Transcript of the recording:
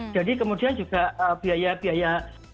jadi kemudian juga biaya biaya